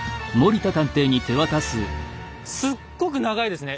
すっごく長いですね。